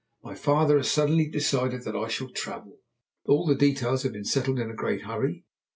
My father has suddenly decided that I shall travel. All the details have been settled in a great hurry.